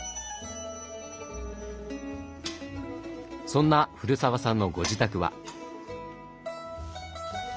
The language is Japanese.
そんな古澤さんのご自宅は。